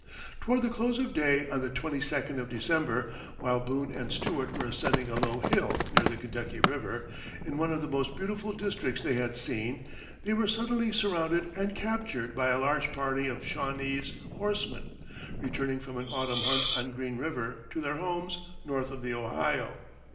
Toward the close of day on the twenty second of December, while Boone and Stuart were ascending a low hill near the Kentucky River, in one of the most beautiful districts they had seen, they were suddenly surrounded and captured by a large party of Shawnese horsemen returning from an autumn hunt on Green River to their homes north of the Ohio.